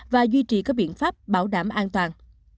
và duy trì các biện pháp bảo đảm an toàn